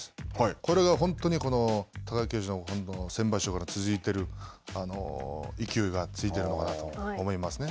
これが本当に貴景勝、本当、先場所から続いている勢いが続いているのかなと思いますね。